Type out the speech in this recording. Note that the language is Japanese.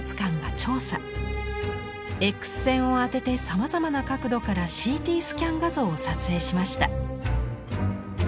Ｘ線を当ててさまざまな角度からＣＴスキャン画像を撮影しました。